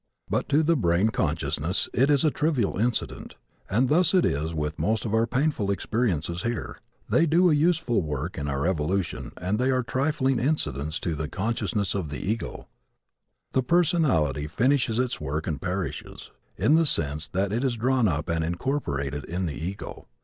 But to the brain consciousness it is a trivial incident. And thus it is with most of our painful experiences here. They do a useful work in our evolution and they are trifling incidents to the consciousness of the ego. The personality finishes its work and perishes, in the sense that it is drawn up and incorporated in the ego.